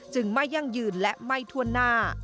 จึงไม่ยังยืนและไม่ทวนหน้า